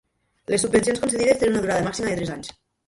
Les subvencions concedides tenen una durada màxima de tres anys.